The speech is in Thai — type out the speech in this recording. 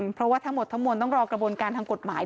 เพราะถ้าหมดมนตร์ก็ต้องรอกระบวนการทางกฎหมายก่อน